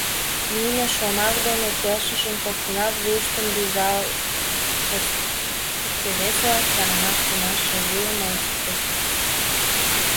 Нине шомак дене келшышын, коктынат вуйыштым рӱзалтышт, икте-весылан чараҥаш тӱҥалше вуйыштым ончыктышт.